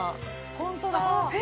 ホントだ！